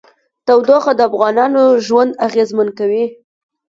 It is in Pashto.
تودوخه د افغانانو ژوند اغېزمن کوي.